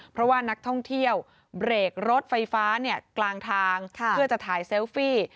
เพราะว่านักท่องเที่ยวเบรกรถไฟฟ้ากลางทางเพื่อจะถ่ายเซลฟี่